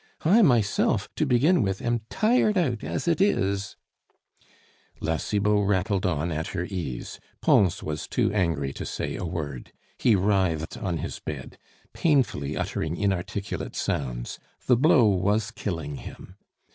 I myself, to begin with, am tired out as it is " La Cibot rattled on at her ease; Pons was too angry to say a word. He writhed on his bed, painfully uttering inarticulate sounds; the blow was killing him.